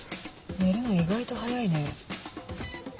寝るの意外と早いね。